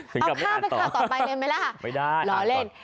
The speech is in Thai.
เอาภาพไปข่าวต่อไปเลยไหมล่ะไม่ได้ล้อเล่น